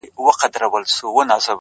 د عشق اور يې نور و عرش ته په پرواز دی”